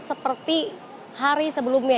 seperti hari sebelumnya